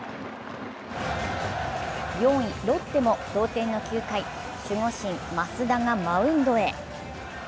４位・ロッテも同点の９回、守護神・益田がマウンドへ。